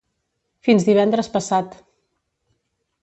Fins divendres passat.